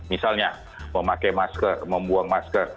misalnya memakai masker membuang masker